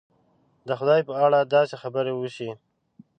د خدای په اړه داسې خبرې وشي.